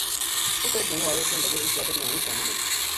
اُت ایک جنو آیو کہن لگو اس جاتک نا ہوں ساموں گو